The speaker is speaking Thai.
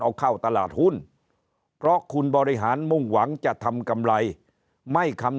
เอาเข้าตลาดหุ้นเพราะคุณบริหารมุ่งหวังจะทำกำไรไม่คำ